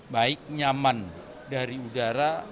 baik nyaman dari udara